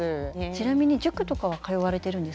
ちなみに塾とかは通われてるんですか？